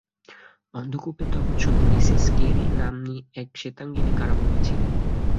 অন্ধকূপে তখন শুধু Mrs Kerry নাম্নী এক শ্বেতাঙ্গিনী কারাবন্দি ছিল।